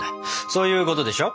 そういうことでしょ？